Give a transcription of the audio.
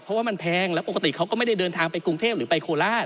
เพราะว่ามันแพงแล้วปกติเขาก็ไม่ได้เดินทางไปกรุงเทพหรือไปโคราช